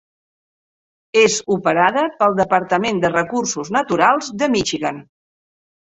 És operada pel Departament de Recursos Naturals de Michigan.